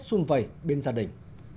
xuân vẩy bên gia đình